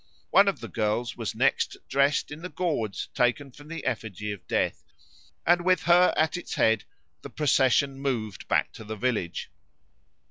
One of the girls was next dressed in the gauds taken from the effigy of Death, and with her at its head the procession moved back to the village.